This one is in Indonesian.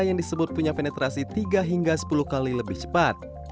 yang disebut punya penetrasi tiga hingga sepuluh kali lebih cepat